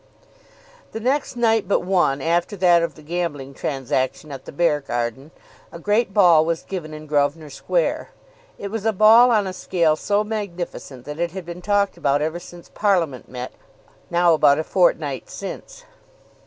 The next night but one after that of the gambling transaction at the Beargarden, a great ball was given in Grosvenor Square. It was a ball on a scale so magnificent that it had been talked about ever since Parliament met, now about a fortnight since.